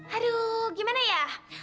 aduh gimana ya